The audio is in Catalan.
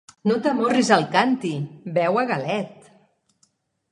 No t'amorris al càntir, beu a galet!